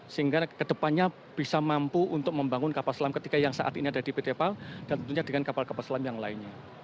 sehingga kedepannya bisa mampu untuk membangun kapal selam ketiga yang saat ini ada di pt pal dan tentunya dengan kapal kapal selam yang lainnya